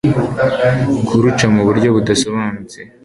kuruca muburyo budasobanutse